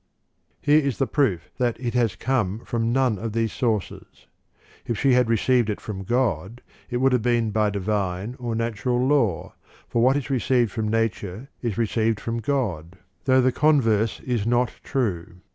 1. Here is the proof that it has come from none of these sources. If she had received it from God, it would have been by divine or natural law, for what is received from nature is reccfved from God, though the converse is not 6, Lev. II. +3. r Ch. xiv] DE MONARCHIA 191 true.